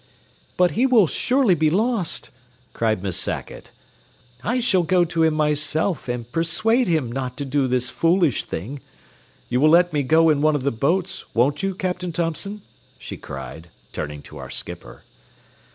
"But he will surely be lost," cried Miss Sackett. "I shall go to him myself and persuade him not to do this foolish thing. You will let me go in one of the boats, won't you, Captain Thompson?" she cried, turning to our skipper.